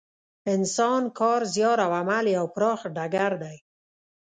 انسان کار، زیار او عمل یو پراخ ډګر دی.